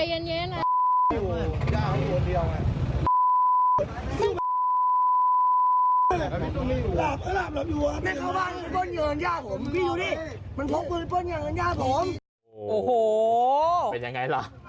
โอ้โหเป็นยังไงล่ะ